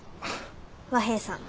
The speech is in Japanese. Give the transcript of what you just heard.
和平さん。